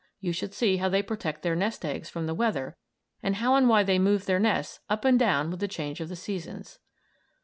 You should see how they protect their nest eggs from the weather and how and why they move their nests up and down with the change of the seasons.